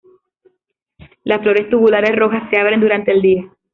Las flores tubulares rojas se abren durante el día.